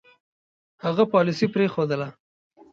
هغه پالیسي پرېښودله.